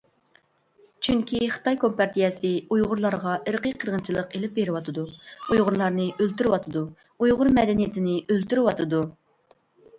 چۈنكى خىتاي كومپارتىيەسى ئۇيغۇرلارغا ئىرقى قىرغىنچىلىق ئېلىپ بېرىۋاتىدۇ، ئۇيغۇرلارنى ئۆلتۈرۈۋاتىدۇ، ئۇيغۇر مەدەنىيىتىنى ئۆلتۈرۈۋاتىدۇ.